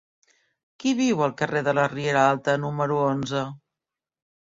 Qui viu al carrer de la Riera Alta número onze?